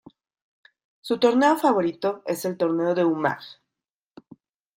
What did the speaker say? Su torneo favorito es el Torneo de Umag.